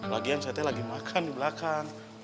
lagian saya lagi makan di belakang